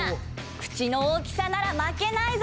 口の大きさなら負けないぞ！」。